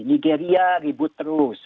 nigeria ribut terus